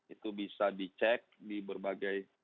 itu bisa dicek di berbagai